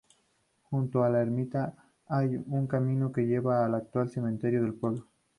Junto a la ermita hay un camino que lleva al actual cementerio del pueblo.